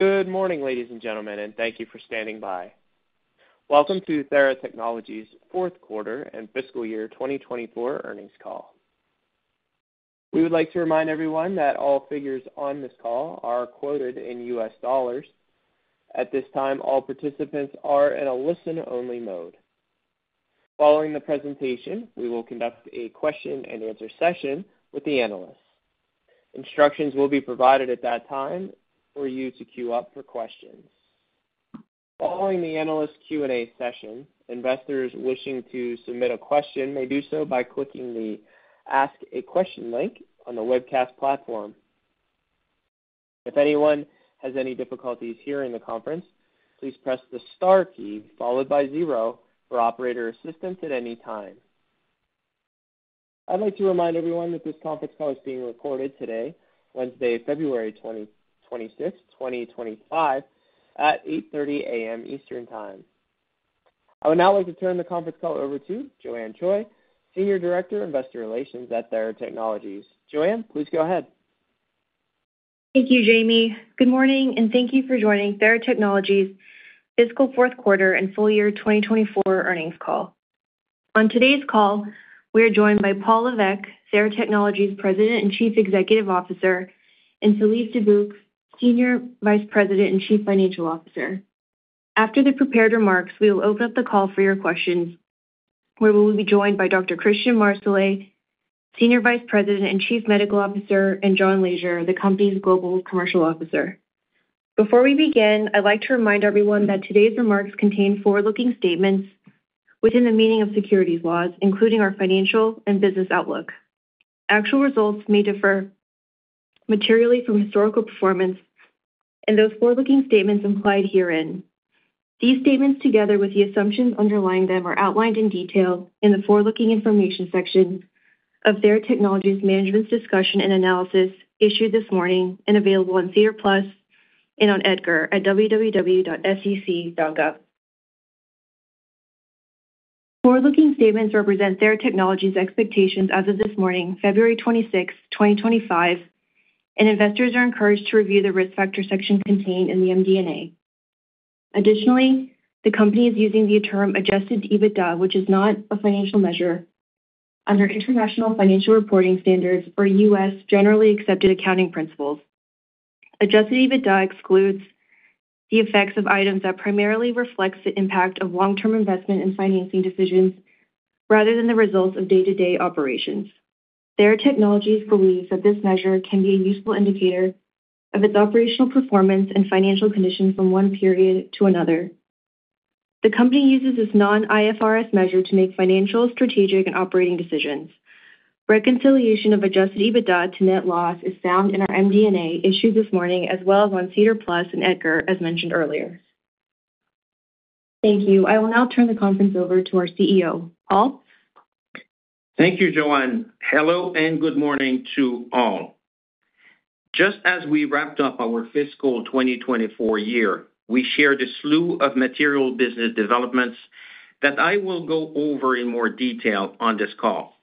Good morning, ladies and gentlemen, and thank you for standing by. Welcome to Theratechnologies' Fourth Quarter and Fiscal Year 2024 Earnings Call. We would like to remind everyone that all figures on this call are quoted in U.S. dollars. At this time, all participants are in a listen-only mode. Following the presentation, we will conduct a question-and-answer session with the analysts. Instructions will be provided at that time for you to queue up for questions. Following the analyst Q&A session, investors wishing to submit a question may do so by clicking the "Ask a Question" link on the webcast platform. If anyone has any difficulties hearing the conference, please press the star key followed by zero for operator assistance at any time. I'd like to remind everyone that this conference call is being recorded today, Wednesday, February 26, 2025, at 8:30 A.M. Eastern Time. I would now like to turn the conference call over to Joanne Choi, Senior Director of Investor Relations at Theratechnologies. Joanne, please go ahead. Thank you, Jamie. Good morning, and thank you for joining Theratechnologies' Fiscal Fourth Quarter and Full Year 2024 Earnings Call. On today's call, we are joined by Paul Levesque, Theratechnologies' President and Chief Executive Officer, and Philippe Dubuc, Senior Vice President and Chief Financial Officer. After the prepared remarks, we will open up the call for your questions, where we will be joined by Dr. Christian Marsolais, Senior Vice President and Chief Medical Officer, and John Leasure, the company's Global Commercial Officer. Before we begin, I'd like to remind everyone that today's remarks contain forward-looking statements within the meaning of securities laws, including our financial and business outlook. Actual results may differ materially from historical performance, and those forward-looking statements implied herein. These statements, together with the assumptions underlying them, are outlined in detail in the forward-looking information section of Theratechnologies' management's discussion and analysis issued this morning and available on SEDAR+ and on EDGAR at www.sec.gov. Forward-looking statements represent Theratechnologies' expectations as of this morning, February 26, 2025, and investors are encouraged to review the risk factor section contained in the MD&A. Additionally, the company is using the term "Adjusted EBITDA," which is not a financial measure under International Financial Reporting Standards or U.S. Generally Accepted Accounting Principles. Adjusted EBITDA, excludes the effects of items that primarily reflect the impact of long-term investment and financing decisions rather than the results of day-to-day operations. Theratechnologies believes that this measure can be a useful indicator of its operational performance and financial conditions from one period to another. The company uses this non-IFRS measure to make financial, strategic, and operating decisions. Reconciliation of Adjusted EBITDA to Net Loss, is found in our MD&A issued this morning, as well as on SEDAR+ and EDGAR, as mentioned earlier. Thank you. I will now turn the conference over to our CEO, Paul. Thank you, Joanne. Hello and good morning to all. Just as we wrapped up our fiscal 2024 year, we shared a slew of material business developments that I will go over in more detail on this call.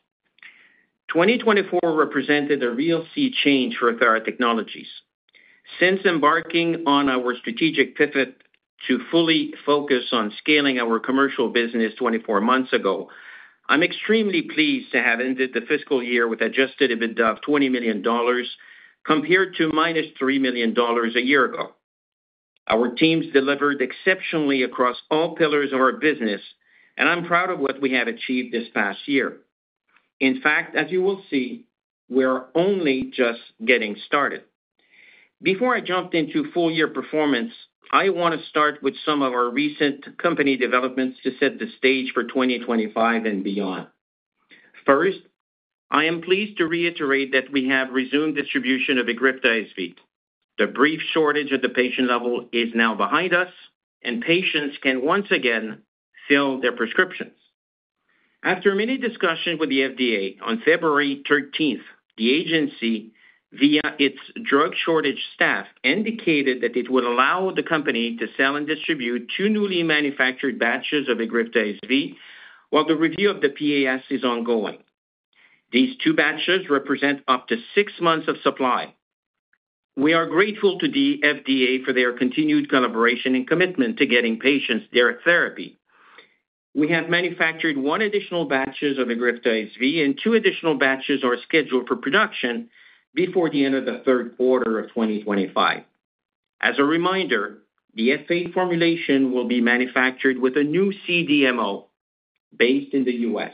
2024 represented a real sea change for Theratechnologies. Since embarking on our strategic pivot to fully focus on scaling our commercial business 24 months ago, I'm extremely pleased to have ended the fiscal year with adjusted EBITDA of $20 million, compared to minus $3 million a year ago. Our teams delivered exceptionally across all pillars of our business, and I'm proud of what we have achieved this past year. In fact, as you will see, we're only just getting started. Before I jump into full year performance, I want to start with some of our recent company developments to set the stage for 2025 and beyond. First, I am pleased to reiterate that we have resumed distribution of EGRIFTA SV. The brief shortage at the patient level is now behind us, and patients can once again fill their prescriptions. After a mini-discussion with the FDA on February 13, the agency, via its drug shortage staff, indicated that it would allow the company to sell and distribute two newly manufactured batches of EGRIFTA SV, while the review of the PAS is ongoing. These two batches represent up to six months of supply. We are grateful to the FDA for their continued collaboration and commitment to getting patients their therapy. We have manufactured one additional batch of EGRIFTA SV, and two additional batches are scheduled for production before the end of the third quarter of 2025. As a reminder, the F8 formulation will be manufactured with a new CDMO based in the U.S.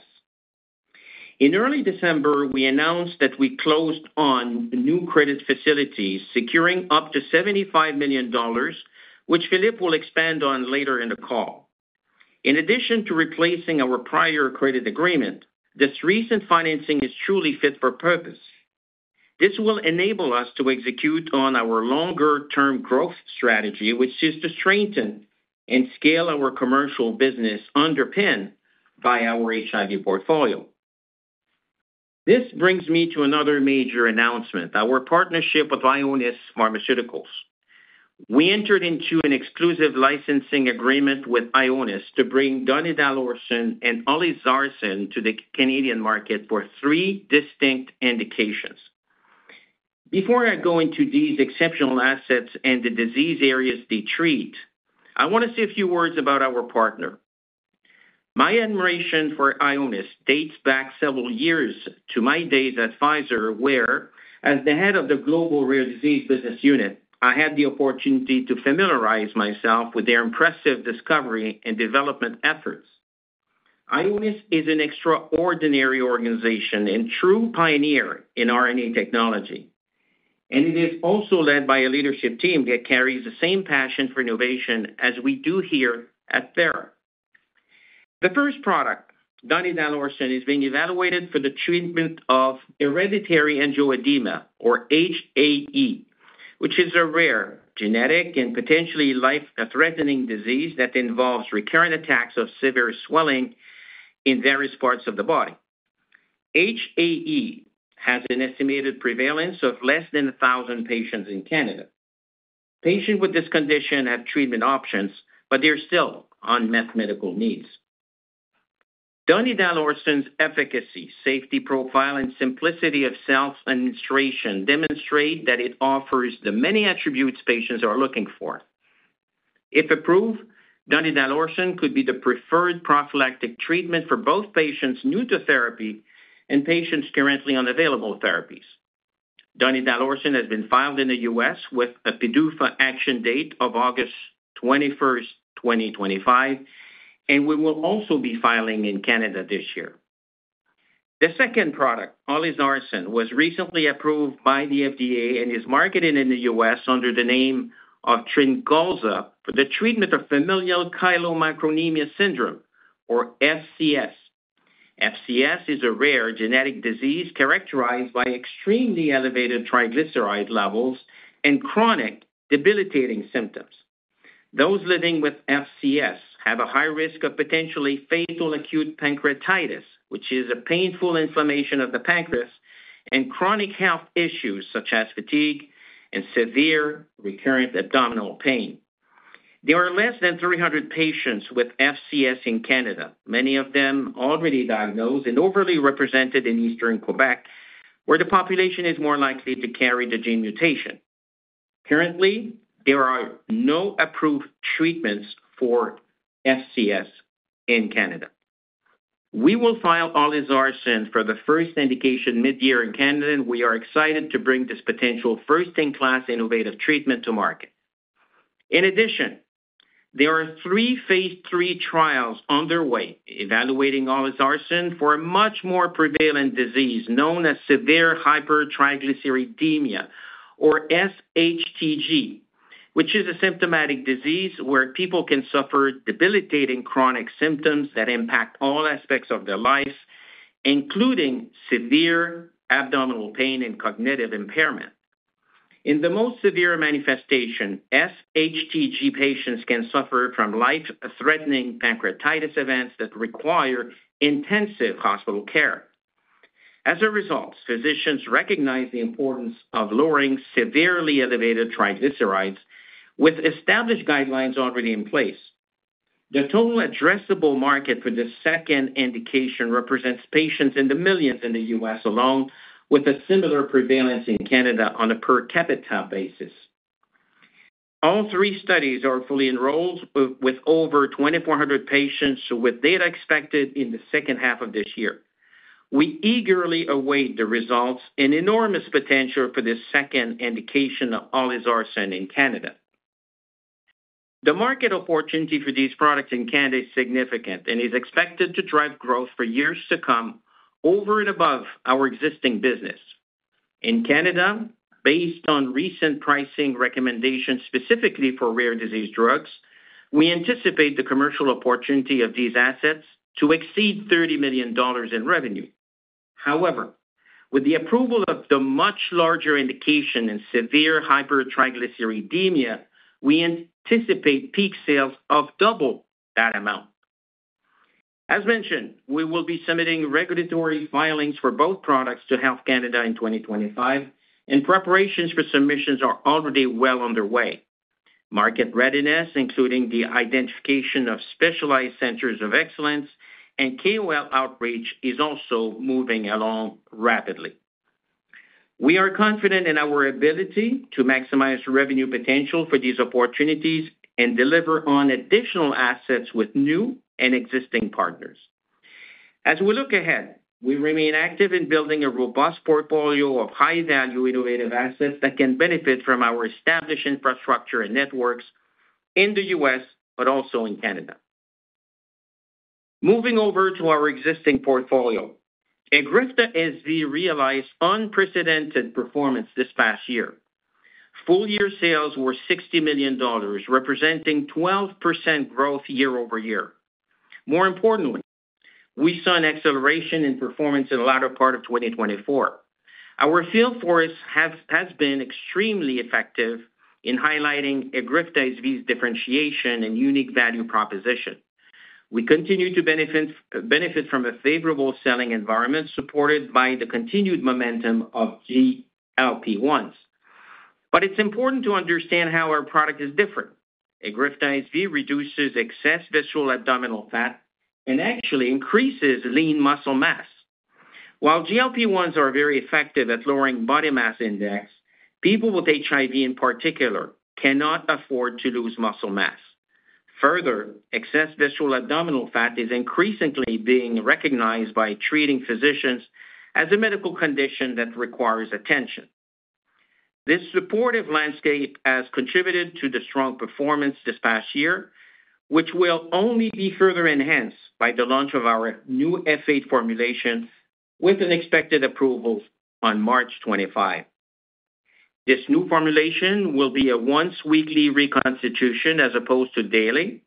In early December, we announced that we closed on new credit facilities, securing up to $75 million, which Philippe, will expand on later in the call. In addition to replacing our prior credit agreement, this recent financing is truly fit for purpose. This will enable us to execute on our longer-term growth strategy, which is to strengthen and scale our commercial business underpinned by our HIV portfolio. This brings me to another major announcement: our partnership with Ionis Pharmaceuticals. We entered into an exclusive licensing agreement with Ionis to bring donidalorsen and olezarsen to the Canadian market for three distinct indications. Before I go into these exceptional assets and the disease areas they treat, I want to say a few words about our partner. My admiration for Ionis dates back several years to my days at Pfizer, where, as the head of the Global Rare Disease Business Unit, I had the opportunity to familiarize myself with their impressive discovery and development efforts. Ionis, is an extraordinary organization and true pioneer in RNA technology, and it is also led by a leadership team that carries the same passion for innovation as we do here at Thera. The first product, donidalorsen, is being evaluated for the treatment of hereditary angioedema, or HAE, which is a rare, genetic, and potentially life-threatening disease that involves recurrent attacks of severe swelling in various parts of the body. HAE, has an estimated prevalence of less than 1,000 patients in Canada. Patients with this condition have treatment options, but they're still on medical needs. Donidalorsen's efficacy, safety profile, and simplicity of self-administration demonstrate that it offers the many attributes patients are looking for. If approved, donidalorsen could be the preferred prophylactic treatment for both patients new to therapy and patients currently on available therapies. Donidalorsen has been filed in the U.S. with a PDUFA action date of August 21, 2025, and we will also be filing in Canada this year. The second product, olezarsen, was recently approved by the FDA and is marketed in the U.S. under the name of Tryngolza for the treatment of Familial Chylomicronemia Syndrome, or FCS. FCS, is a rare genetic disease characterized by extremely elevated triglyceride levels and chronic debilitating symptoms. Those living with FCS have a high risk of potentially fatal acute pancreatitis, which is a painful inflammation of the pancreas, and chronic health issues such as fatigue and severe recurrent abdominal pain. There are less than 300 patients with FCS in Canada, many of them already diagnosed and overly represented in Eastern Quebec, where the population is more likely to carry the gene mutation. Currently, there are no approved treatments for FCS in Canada. We will file olezarsen for the first indication mid-year in Canada, and we are excited to bring this potential first-in-class innovative treatment to market. In addition, there are three, phase III trials underway evaluating olezarsen for a much more prevalent disease known as Severe Hypertriglyceridemia, or SHTG, which is a symptomatic disease where people can suffer debilitating chronic symptoms that impact all aspects of their lives, including severe abdominal pain and cognitive impairment. In the most severe manifestation, SHTG patients can suffer from life-threatening pancreatitis events that require intensive hospital care. As a result, physicians recognize the importance of lowering severely elevated triglycerides with established guidelines already in place. The total addressable market for the second indication represents patients in the millions in the U.S., along with a similar prevalence in Canada on a per capita basis. All three studies are fully enrolled with over 2,400 patients, with data expected in the second half of this year. We eagerly await the results and enormous potential for this second indication of olezarsen in Canada. The market opportunity for these products in Canada is significant and is expected to drive growth for years to come over and above our existing business. In Canada, based on recent pricing recommendations specifically for rare disease drugs, we anticipate the commercial opportunity of these assets to exceed $30 million in revenue. However, with the approval of the much larger indication in severe hypertriglyceridemia, we anticipate peak sales of double that amount. As mentioned, we will be submitting regulatory filings for both products to Health Canada in 2025, and preparations for submissions are already well underway. Market readiness, including the identification of specialized centers of excellence and KOL outreach, is also moving along rapidly. We are confident in our ability to maximize revenue potential for these opportunities and deliver on additional assets with new and existing partners. As we look ahead, we remain active in building a robust portfolio of high-value innovative assets that can benefit from our established infrastructure and networks in the U.S., but also in Canada. Moving over to our existing portfolio, EGRIFTA SV, realized unprecedented performance this past year. Full year sales were $60 million, representing 12%, growth year over year. More importantly, we saw an acceleration in performance in the latter part of 2024. Our field force has been extremely effective in highlighting EGRIFTA SV's differentiation and unique value proposition. We continue to benefit from a favorable selling environment supported by the continued momentum of GLP-1s. It is important to understand how our product is different. EGRIFTA SV reduces excess visceral abdominal fat and actually increases lean muscle mass. While GLP-1s are very effective at lowering body mass index, people with HIV in particular cannot afford to lose muscle mass. Further, excess visceral abdominal fat is increasingly being recognized by treating physicians as a medical condition that requires attention. This supportive landscape has contributed to the strong performance this past year, which will only be further enhanced by the launch of our new F8 formulation with an expected approval on March 25. This new formulation will be a once-weekly reconstitution as opposed to daily,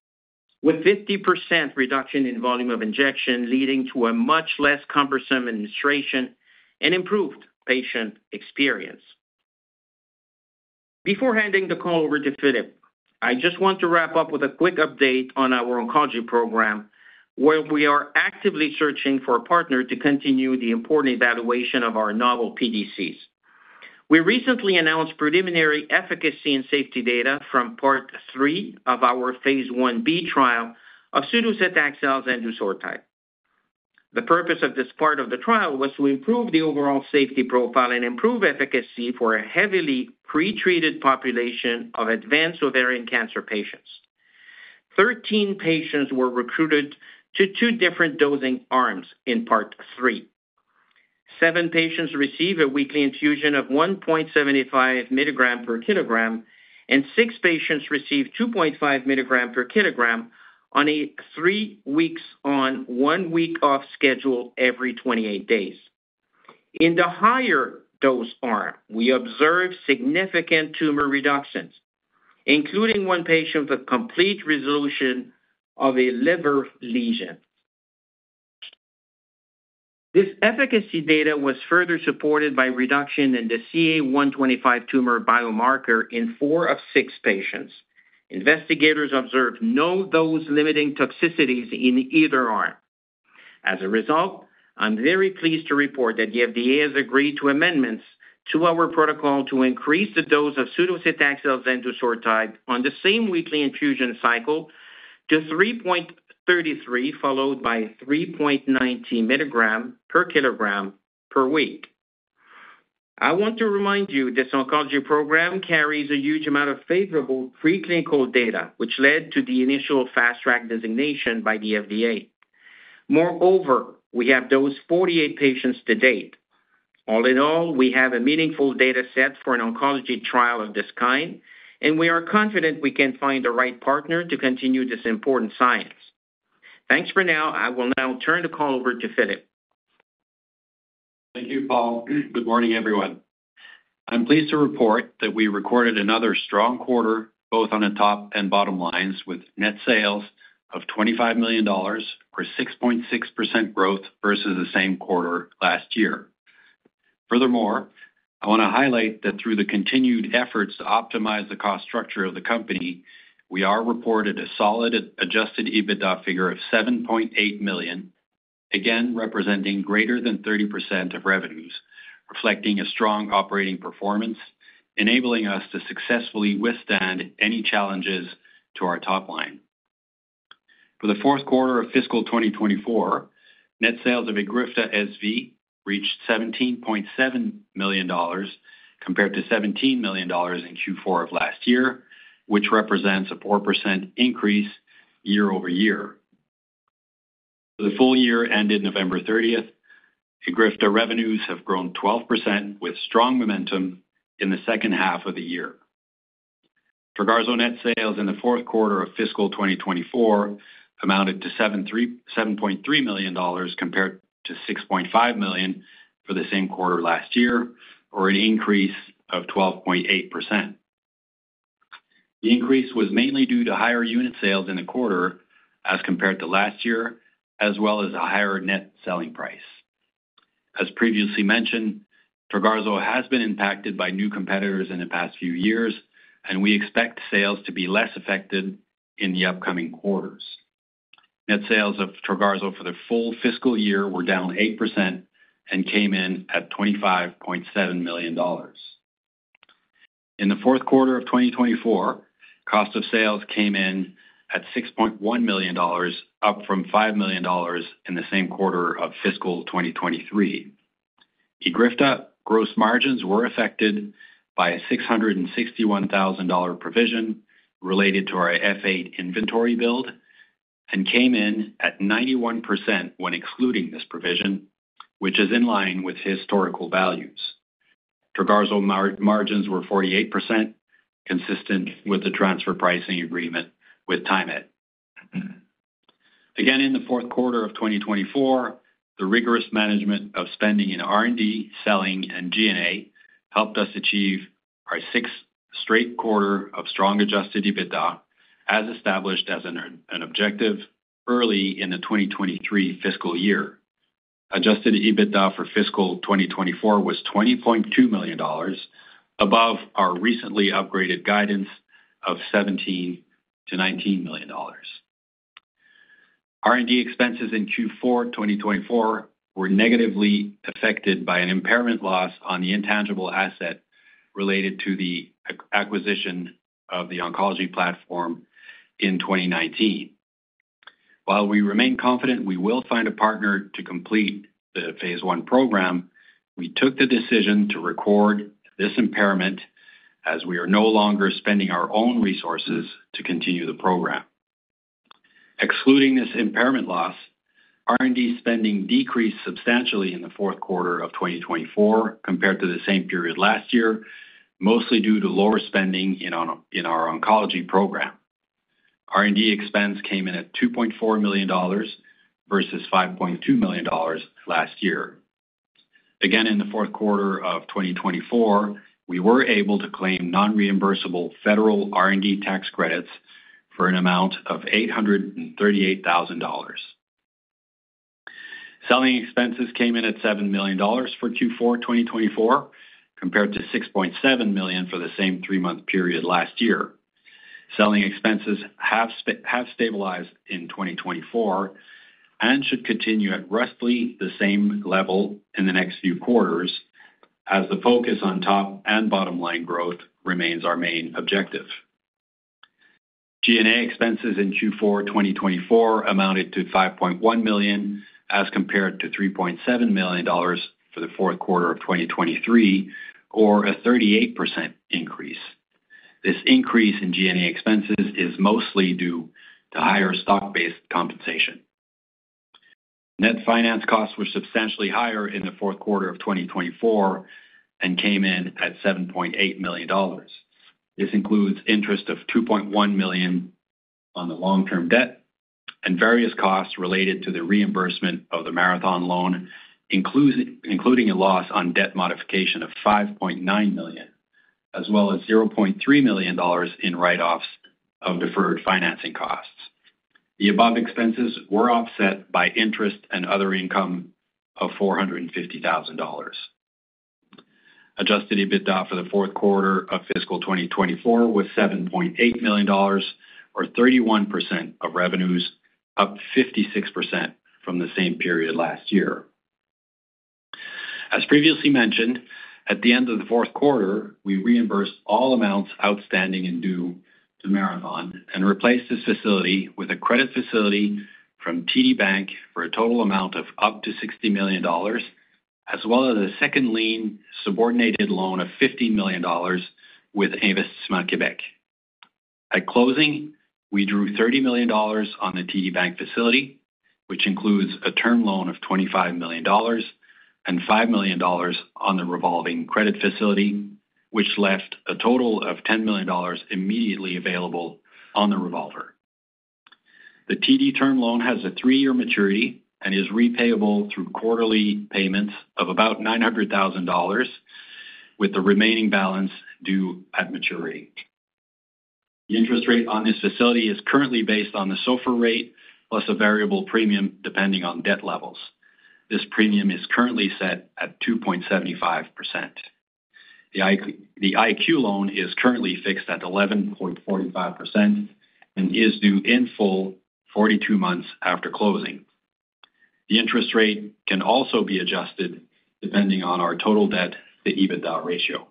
with a 50%, reduction in volume of injection leading to a much less cumbersome administration and improved patient experience. Before handing the call over to Philippe, I just want to wrap up with a quick update on our oncology program, where we are actively searching for a partner to continue the important evaluation of our novel PDCs. We recently announced preliminary efficacy and safety data from part three of our phase I B trial of sudocetaxel zendusortide. The purpose of this part of the trial was to improve the overall safety profile and improve efficacy for a heavily pretreated population of advanced ovarian cancer patients. Thirteen patients were recruited to two different dosing arms in part three. Seven patients received a weekly infusion of 1.75 milligrams per kilogram, and six patients received 2.5 milligrams per kilogram on a three weeks on one week off schedule every 28 days. In the higher dose arm, we observed significant tumor reductions, including one patient with complete resolution of a liver lesion. This efficacy data was further supported by reduction in the CA-125 tumor biomarker in four of six patients. Investigators observed no dose-limiting toxicities in either arm. As a result, I'm very pleased to report that the FDA has agreed to amendments to our protocol to increase the dose of TH1902 and docetaxel on the same weekly infusion cycle to 3.33, followed by 3.90 milligrams per kilogram per week. I want to remind you this oncology program carries a huge amount of favorable preclinical data, which led to the initial fast-track designation by the FDA. Moreover, we have dosed 48 patients to date. All in all, we have a meaningful data set for an oncology trial of this kind, and we are confident we can find the right partner to continue this important science. Thanks for now. I will now turn the call over to Philippe. Thank you, Paul. Good morning, everyone. I'm pleased to report that we recorded another strong quarter, both on the top and bottom lines, with net sales of $25 million, for 6.6%, growth versus the same quarter last year. Furthermore, I want to highlight that through the continued efforts to optimize the cost structure of the company, we have reported a solid adjusted EBITDA, figure of $7.8 million, again representing greater than 30% of revenues, reflecting a strong operating performance, enabling us to successfully withstand any challenges to our top line. For the fourth quarter of fiscal 2024, net sales of EGRIFTA SV, reached $17.7 million, compared to $17 million in Q4 of last year, which represents a 4%, increase year over year. The full year ended November 30. EGRIFTA SV revenues have grown 12%, with strong momentum in the second half of the year. TROGARZO net sales, in the fourth quarter of fiscal 2024 amounted to $7.3 million, compared to $6.5 million, for the same quarter last year, or an increase of 12.8%. The increase was mainly due to higher unit sales in the quarter as compared to last year, as well as a higher net selling price. As previously mentioned, TROGARZO has been impacted by new competitors in the past few years, and we expect sales to be less affected in the upcoming quarters. Net sales of TROGARZO for the full fiscal year were down 8%, and came in at $25.7 million. In the fourth quarter of 2024, cost of sales came in at $6.1 million, up from $5 million,, in the same quarter of fiscal 2023. EGRIFTA SV gross margins were affected by a $661,000 provision related to our F8 inventory build and came in at 91%, when excluding this provision, which is in line with historical values. TROGARZO margins, were 48%, consistent with the transfer pricing agreement with Theratechnologies-Ireland. Again, in the fourth quarter of 2024, the rigorous management of spending in R&D, selling, and G&A helped us achieve our sixth straight quarter of strong adjusted EBITDA, as established as an objective early in the 2023 fiscal year. Adjusted EBITDA, for fiscal 2024 was $20.2 million, above our recently upgraded guidance of $17-$19 million. R&D expenses, in Q4 2024 were negatively affected by an impairment loss on the intangible asset related to the acquisition of the oncology platform in 2019. While we remain confident we will find a partner to complete the phase I program, we took the decision to record this impairment as we are no longer spending our own resources to continue the program. Excluding this impairment loss, R&D spending decreased substantially in the fourth quarter of 2024 compared to the same period last year, mostly due to lower spending in our oncology program. R&D expense came in at $2.4 million versus $5.2 million last year. Again, in the fourth quarter of 2024, we were able to claim non-reimbursable federal R&D tax credits for an amount of $838,000. Selling expenses, came in at $7 million, for Q4 2024 compared to $6.7 million, for the same three-month period last year. Selling expenses, have stabilized in 2024 and should continue at roughly the same level in the next few quarters as the focus on top and bottom line growth remains our main objective. G&A expenses in Q4 2024 amounted to $5.1 million, as compared to $3.7 million, for the fourth quarter of 2023, or a 38% increase. This increase in G&A expenses, is mostly due to higher stock-based compensation. Net finance costs, were substantially higher in the fourth quarter of 2024 and came in at $7.8 million. This includes interest of $2.1 million, on the long-term debt and various costs related to the reimbursement of the marathon loan, including a loss on debt modification of $5.9 million, as well as $0.3 million, in write-offs of deferred financing costs. The above expenses were offset by interest and other income of $450,000. Adjusted EBITDA, for the fourth quarter of fiscal 2024 was $7.8 million, or 31%, of revenues, up 56%, from the same period last year. As previously mentioned, at the end of the fourth quarter, we reimbursed all amounts outstanding and due to Marathon and replaced this facility with a credit facility from TD Bank for a total amount of up to $60 million, as well as a second lien subordinated loan of $50 million, with Investissement Québec. At closing, we drew $30 million, on the TD Bank facility, which includes a term loan of $25 million and $5 million, on the revolving credit facility, which left a total of $10 million, immediately available on the revolver. The TD term loan has a three-year maturity and is repayable through quarterly payments of about $900,000, with the remaining balance due at maturity. The interest rate on this facility is currently based on the SOFR rate plus a variable premium depending on debt levels. This premium is currently set at 2.75%. The IQ loan is currently fixed at 11.45%, and is due in full 42 months after closing. The interest rate can also be adjusted depending on our total debt-to-EBITDA ratio.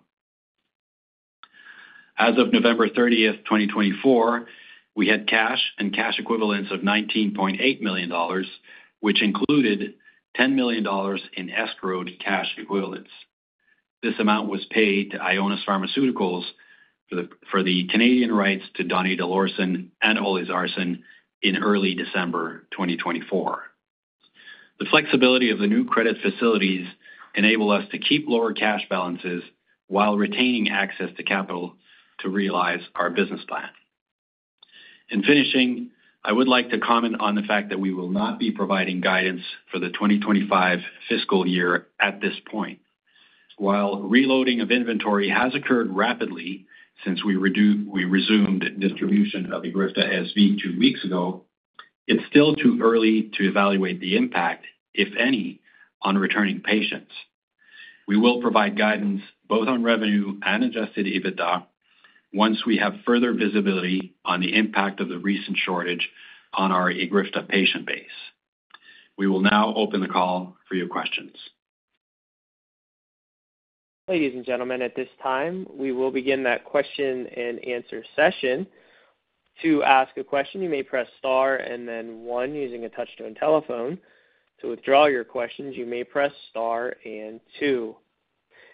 As of November 30, 2024, we had cash and cash equivalents of $19.8 million, which included $10 million, in escrowed cash equivalents. This amount was paid to Ionis Pharmaceuticals, for the Canadian rights to donidalorsen and olezarsen in early December 2024. The flexibility of the new credit facilities enables us to keep lower cash balances while retaining access to capital to realize our business plan. In finishing, I would like to comment on the fact that we will not be providing guidance for the 2025 fiscal year at this point. While reloading of inventory has occurred rapidly since we resumed distribution of EGRIFTA SV, two weeks ago, it's still too early to evaluate the impact, if any, on returning patients. We will provide guidance both on revenue and adjusted EBITDA, once we have further visibility on the impact of the recent shortage on our EGRIFTA patient base. We will now open the call for your questions. Ladies and gentlemen, at this time, we will begin that question and answer session. To ask a question, you may press star and then one using a touch-tone telephone. To withdraw your questions, you may press star and two.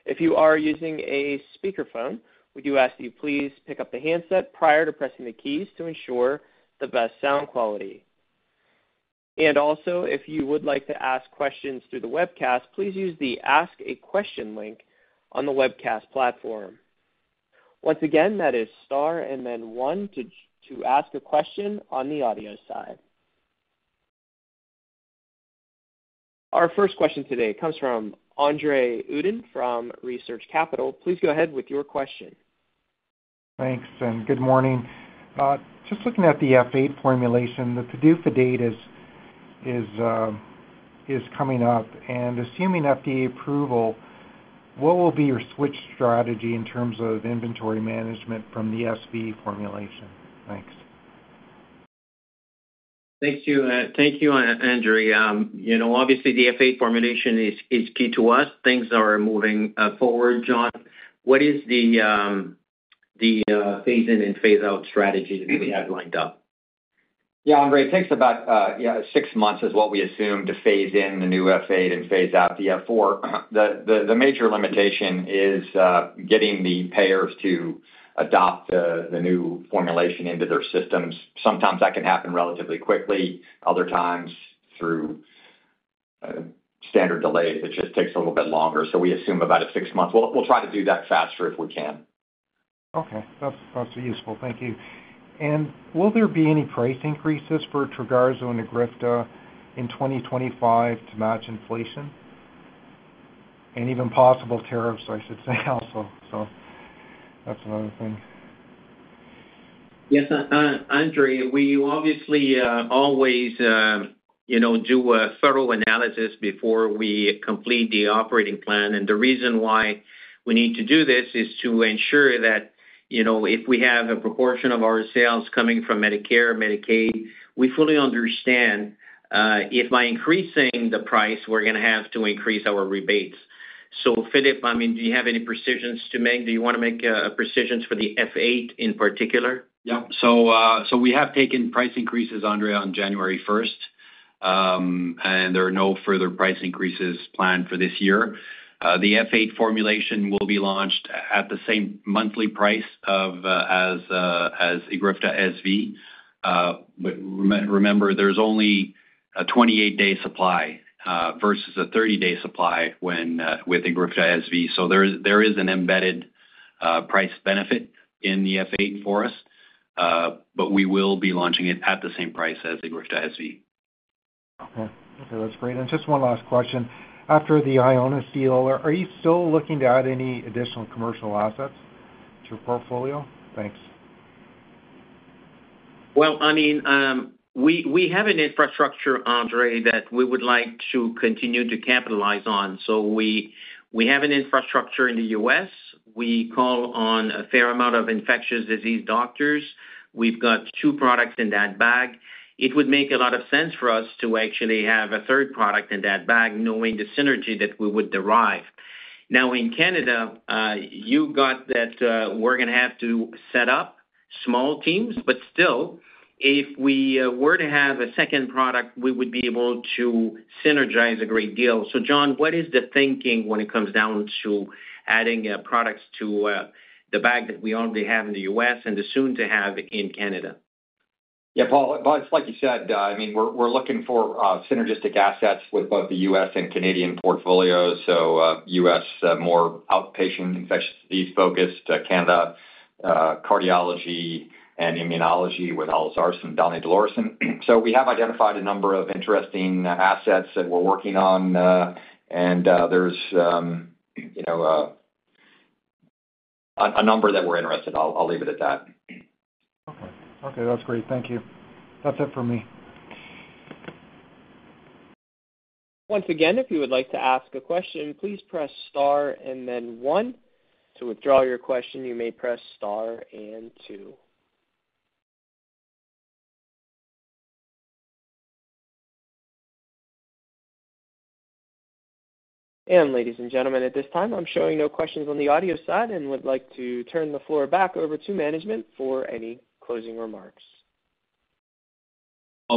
If you are using a speakerphone, we do ask that you please pick up the handset prior to pressing the keys to ensure the best sound quality. Also, if you would like to ask questions through the webcast, please use the Ask a Question link on the webcast platform. Once again, that is star and then one to ask a question on the audio side. Our first question today comes from Andre Uddin, from Research Capital. Please go ahead with your question. Thanks, and good morning. Just looking at the F8 formulation, the PDUFA date is coming up, and assuming FDA approval, what will be your switch strategy in terms of inventory management from the SV formulation? Thanks. Thank you, Andre. Obviously, the F8 formulation is key to us. Things are moving forward. John, what is the phase-in and phase-out strategy that we have lined up? Yeah, Andre, it takes about six months, is what we assume, to phase in the new F8 and phase out the SV. The major limitation is getting the payers to adopt the new formulation into their systems. Sometimes that can happen relatively quickly; other times, through standard delays, it just takes a little bit longer. We assume about six months. We'll try to do that faster if we can. Okay. That's useful. Thank you. Will there be any price increases for TROGARZO and EGRIFTA in 2025 to match inflation? And even possible tariffs, I should say, also. That's another thing. Yes, Andre, we obviously always do a thorough analysis before we complete the operating plan. The reason why we need to do this is to ensure that if we have a proportion of our sales coming from Medicare, Medicaid, we fully understand if by increasing the price, we're going to have to increase our rebates. Philippe, I mean, do you have any precisions to make? Do you want to make precisions for the F8 in particular? Yeah. We have taken price increases, Andre, on January 1, and there are no further price increases planned for this year. The F8 formulation will be launched at the same monthly price as EGRIFTA SV. Remember, there is only a 28-day supply versus a 30-day supply with EGRIFTA SV. There is an embedded price benefit in the F8 for us, but we will be launching it at the same price as EGRIFTA SV. Okay. Okay, that's great. Just one last question. After the Ionis deal, are you still looking to add any additional commercial assets to your portfolio? Thanks. I mean, we have an infrastructure, Andre, that we would like to continue to capitalize on. We have an infrastructure in the U.S. We call on a fair amount of infectious disease doctors. We've got two products in that bag. It would make a lot of sense for us to actually have a third product in that bag, knowing the synergy that we would derive. Now, in Canada, you got that we're going to have to set up small teams, but still, if we were to have a second product, we would be able to synergize a great deal. John, what is the thinking when it comes down to adding products to the bag that we already have in the U.S. and assume to have in Canada? Yeah, like you said. I mean, we're looking for synergistic assets with both the U.S. and Canadian portfolios. U.S., more outpatient infectious disease focused, Canada cardiology and immunology with olezarsen and donidalorsen. We have identified a number of interesting assets that we're working on, and there's a number that we're interested in. I'll leave it at that. Okay. Okay, that's great. Thank you. That's it for me. Once again, if you would like to ask a question, please press star and then one. To withdraw your question, you may press star and two. Ladies and gentlemen, at this time, I'm showing no questions on the audio side and would like to turn the floor back over to management for any closing remarks.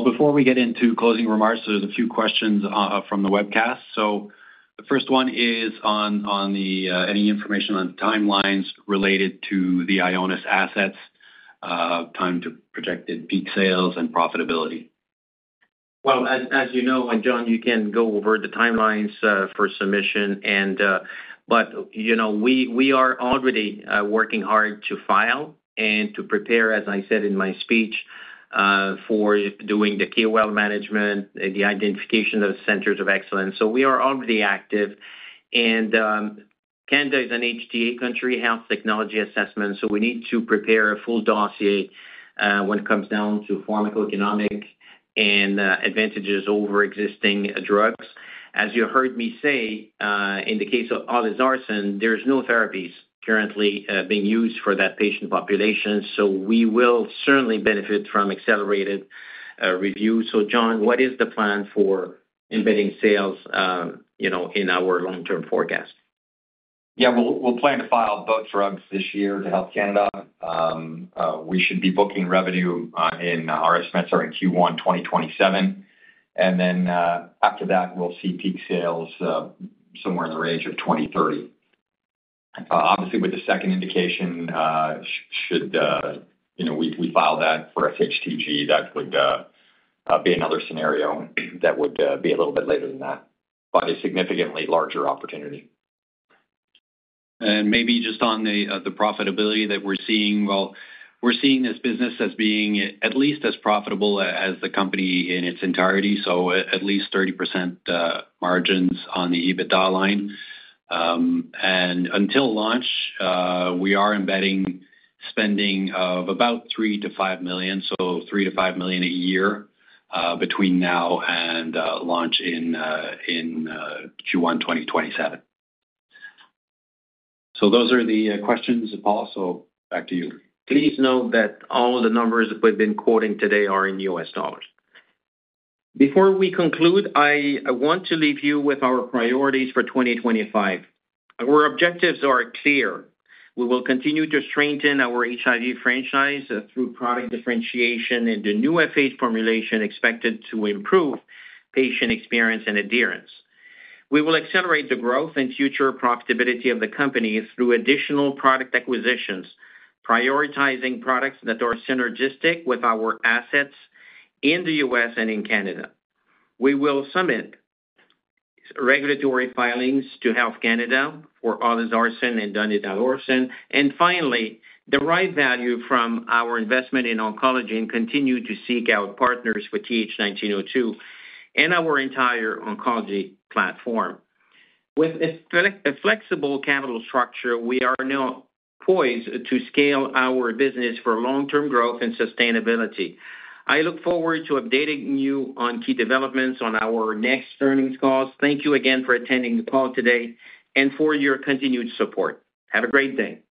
Before we get into closing remarks, there's a few questions from the webcast. The first one is on any information on timelines related to the Ionis assets, time to projected peak sales, and profitability. As you know, John, you can go over the timelines for submission, but we are already working hard to file and to prepare, as I said in my speech, for doing the KOL management, the identification of centers of excellence. We are already active. Canada is an HTA country, Health Technology Assessment, so we need to prepare a full dossier when it comes down to pharmacoeconomic and advantages over existing drugs. As you heard me say, in the case of olezarsen, there are no therapies currently being used for that patient population, so we will certainly benefit from accelerated review. John, what is the plan for embedding sales in our long-term forecast? Yeah, we'll plan to file both drugs this year to Health Canada. We should be booking revenue in our estimates are in Q1 2027. After that, we'll see peak sales somewhere in the range of 2030. Obviously, with the second indication, should we file that for SHTG, that would be another scenario that would be a little bit later than that, but a significantly larger opportunity. Maybe just on the profitability that we're seeing, we're seeing this business as being at least as profitable as the company in its entirety, so at least 30% margins, on the EBITDA line. Until launch, we are embedding spending of about $3 million-$5 million, so $3 million-$5 million, a year between now and launch in Q1 2027. Those are the questions, Paul. Back to you. Please note that all the numbers that we've been quoting today are in U.S. dollars. Before we conclude, I want to leave you with our priorities for 2025. Our objectives are clear. We will continue to strengthen our HIV franchise through product differentiation, and the new F8 formulation is expected to improve patient experience and adherence. We will accelerate the growth and future profitability of the company through additional product acquisitions, prioritizing products that are synergistic with our assets in the U.S. and in Canada. We will submit regulatory filings to Health Canada for olezarsen and donidalorsen. Finally, derive value from our investment in oncology and continue to seek out partners for TH1902 and our entire oncology platform. With a flexible capital structure, we are now poised to scale our business for long-term growth and sustainability. I look forward to updating you on key developments on our next earnings calls. Thank you again for attending the call today and for your continued support. Have a great day.